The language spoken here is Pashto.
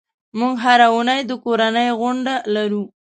موږ هره اونۍ د کورنۍ غونډه لرو.